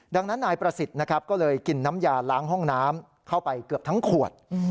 ดังนั้นนายประสิทธิ์นะครับก็เลยกินน้ำยาล้างห้องน้ำเข้าไปเกือบทั้งขวด